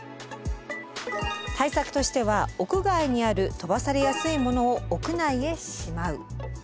対策としては屋外にある飛ばされやすいものを屋内へしまう。